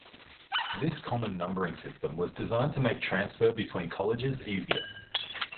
This common numbering system was designed to make transfer between colleges easier.